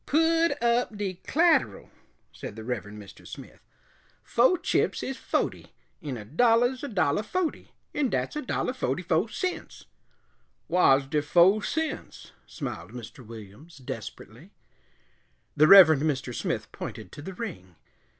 "Pud up de c'lateral," said the Reverend Mr. Smith. "Fo' chips is fohty, 'n a dollah's a dollah fohty, 'n dat's a dollah fohty fo' cents." "Whar's de fo' cents?" smiled Mr. Williams, desperately. The Reverend Mr. Smith pointed to the ring.